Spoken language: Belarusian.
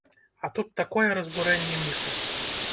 А тут такое разбурэнне міфа!